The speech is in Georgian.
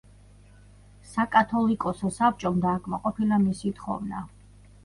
საკათოლიკოსო საბჭომ დააკმაყოფილა მისი თხოვნა.